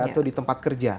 atau di tempat kerja